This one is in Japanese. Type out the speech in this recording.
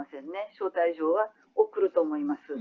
招待状は送ると思います。